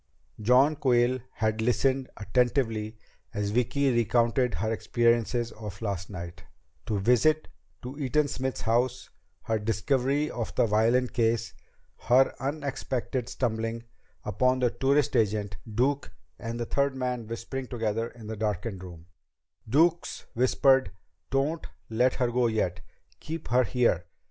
John Quayle had listened attentively as Vicki recounted her experiences of last night the visit to Eaton Smith's house; her discovery of the violin case; her unexpected stumbling upon the tourist agent, Duke, and the third man whispering together in the darkened room; Duke's whispered "_Don't let her go yet! Keep her here!